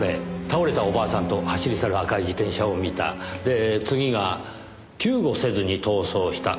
「倒れたお婆さんと走り去る赤い自転車を見た」で次が「救護せずに逃走した」。